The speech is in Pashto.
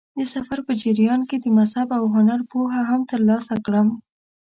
د سفر په جریان کې د مذهب او هنر پوهه هم ترلاسه کړم.